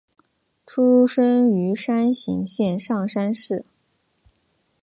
出身于山形县上山市。